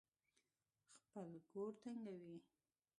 خپل ګور تنګوي.